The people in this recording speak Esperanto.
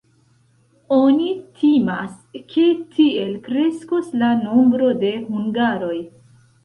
Oni timas, ke tiel kreskos la nombro de hungaroj.